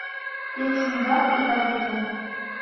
Пече ӱмбак ида кӱзӧ -